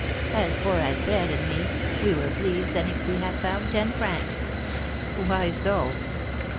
As for Alfred and me, we were better pleased than if we had found ten francs." "Why so?"